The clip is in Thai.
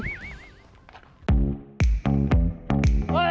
พระเจ้า